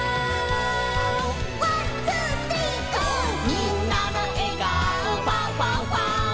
「みんなのえがおファンファンファン！」